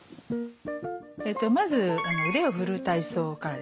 まず腕をふる体操からですね。